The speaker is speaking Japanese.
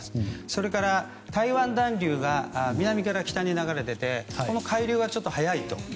それから、台湾暖流が南から北に流れていて海流がちょっと速い。